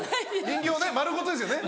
人形丸ごとですよね。